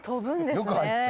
よく入った。